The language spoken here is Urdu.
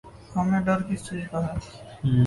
ہمیں ڈر کس چیز کا ہے؟